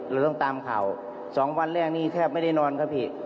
เราต้องตามข่าว๒วันแรกนี้แทบไม่ได้นอนครับพี่